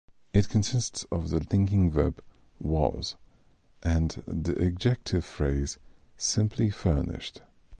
It consists of the linking verb "was" and the adjective phrase "simply furnished".